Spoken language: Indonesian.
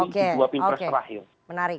di dua pimpin terakhir